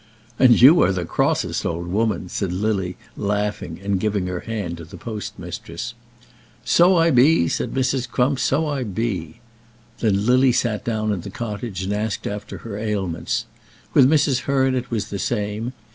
"And you are the crossest old woman," said Lily, laughing, and giving her hand to the postmistress. "So I be," said Mrs. Crump. "So I be." Then Lily sat down in the cottage and asked after her ailments. With Mrs. Hearn it was the same.